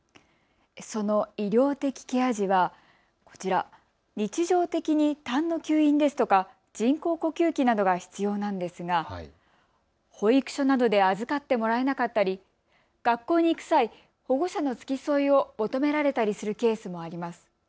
その医療的ケア児はこちら、日常的にたんの吸引ですとか人工呼吸器などが必要なんですが保育所などで預かってもらえなかったり学校に行く際、保護者の付き添いを求められたりするケースもあります。